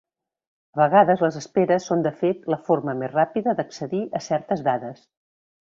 A vegades les esperes són de fet la forma més ràpida d'accedir a certes dades.